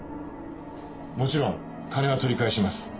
もちろん金は取り返します。